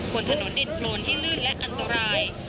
บนถนนดินโครนที่ลื่นและอันตราย